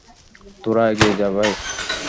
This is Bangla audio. তোরা এগিয়ে যা ভাই!